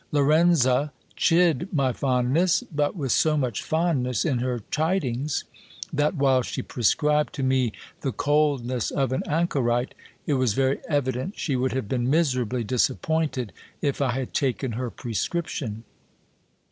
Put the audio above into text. Lorenza chid my fondness, but with so much fondness in her chidings, that while she prescribed to me the coldness of an anchorite, it was very evident she would have been miserably disappointed if I had taken her prescription.